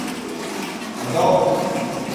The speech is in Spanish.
Igualmente, la letra fue re-escrita para la ocasión.